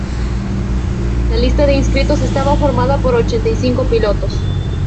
La lista de inscritos estaba formada por ochenta y cinco pilotos.